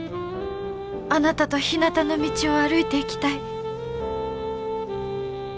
あなたとひなたの道を歩いていきたい。